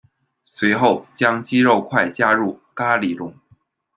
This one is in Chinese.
随后将鸡肉块加入咖哩中。